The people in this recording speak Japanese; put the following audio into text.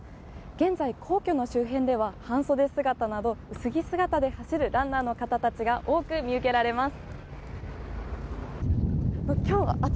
現在、皇居の周辺では半袖姿など薄着姿で走るランナーの方たちが多く見受けられます。